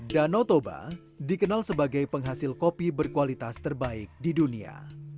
danau toba dikenal sebagai penghasil kopi berkualitas terbaik di dunia